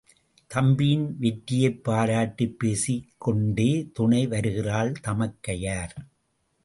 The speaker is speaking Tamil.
தம்பியின் வெற்றியைப் பாராட்டிப் பேசிக் கொண்டே துணை வருகிறாள் தமைக்கையார்.